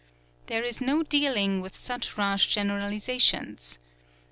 There is no dealing with such rash generalisations.